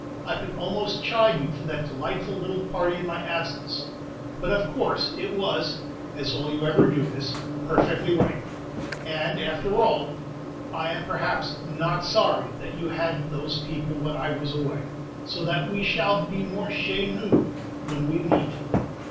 I could almost chide you for that delightful little party in my absence, but of course it was, as all you ever do is, perfectly right; and, after all, I am, perhaps, not sorry that you had those people when I was away, so that we shall be more chez nous when we meet.